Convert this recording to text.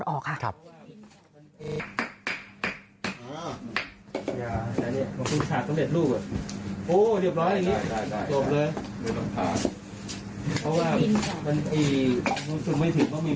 โอ้โฮใช่